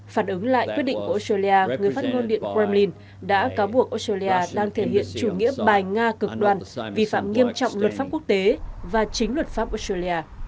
phản ứng lại quyết định của australia người phát ngôn điện kremlin đã cáo buộc australia đang thể hiện chủ nghĩa bài nga cực đoàn vi phạm nghiêm trọng luật pháp quốc tế và chính luật pháp australia